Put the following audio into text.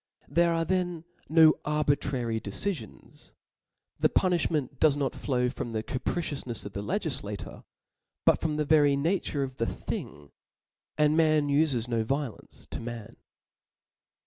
There ate then Book no ai^lntrary decifions j the puniflwncnt does not c^IaS flow from the capricioufnefs of the Icgiflacor, but from the very nature of the thing ^ and man ufes no violence to man.